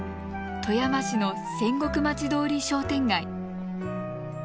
富山市の千石町通り商店街。